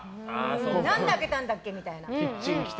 何で開けたんだっけみたいな。